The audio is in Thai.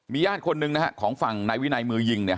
ญาติคนหนึ่งนะฮะของฝั่งนายวินัยมือยิงเนี่ย